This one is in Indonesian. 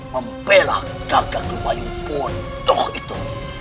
membelah gagak lumayung bodoh itu